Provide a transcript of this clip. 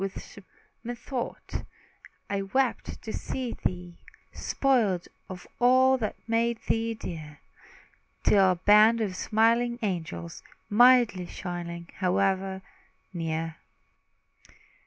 Then, methought, I wept to see thee Spoiled of all that made thee dear, Till a band of smiling angels Mildly shining, hovered near.